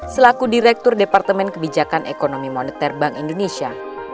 selaku direktur departemen kebijakan ekonomi moneter bank indonesia